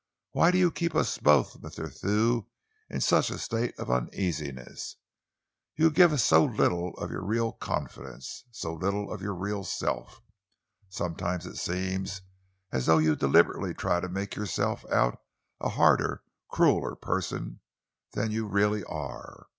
Why do you keep us both, Mr. Thew, in such a state of uneasiness? You give us so little of your real confidence, so little of your real self. Sometimes it seems as though you deliberately try to make yourself out a harder, crueller person than you really are.